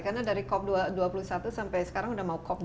karena dari cop dua puluh satu sampai sekarang sudah mau cop dua puluh enam